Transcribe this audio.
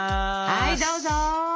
はいどうぞ。